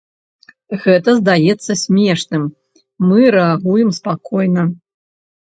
Гэта здаецца смешным, мы рэагуем спакойна.